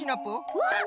うわっ！